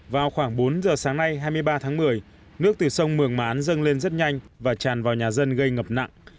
vào khoảng bốn giờ sáng nay hai mươi ba tháng một mươi nước từ sông mường mán dâng lên rất nhanh và tràn vào nhà dân gây ngập nặng